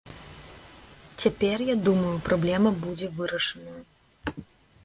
Цяпер, я думаю, праблема будзе вырашаная.